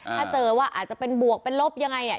ถ้าเจอว่าอาจจะเป็นบวกเป็นลบยังไงเนี่ย